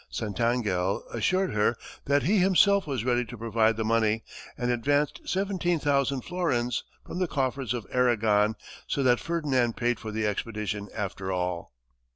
Santangel assured her that he himself was ready to provide the money, and advanced seventeen thousand florins from the coffers of Aragon, so that Ferdinand paid for the expedition, after all.